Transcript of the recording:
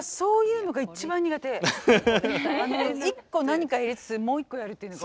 あの一個何かやりつつもう一個やるっていうのが。